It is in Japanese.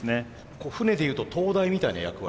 船でいうと灯台みたいな役割。